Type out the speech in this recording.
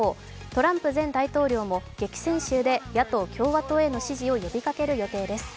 トランプ前大統領も激戦州で野党・共和党への支持を呼びかける予定です。